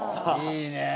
いいねぇ！